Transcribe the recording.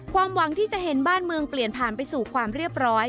ความหวังที่จะเห็นบ้านเมืองเปลี่ยนผ่านไปสู่ความเรียบร้อย